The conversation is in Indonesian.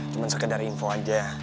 cuma sekedar info aja